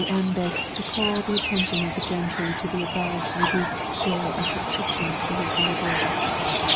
M. begs to call the attention of the Gentry to the above REDUCED SCALE of SUBSCRIPTIONS to his Library.